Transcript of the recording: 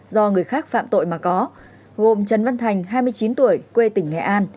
do người khác phạm tội mà có gồm trần văn thành hai mươi chín tuổi quê tỉnh nghệ an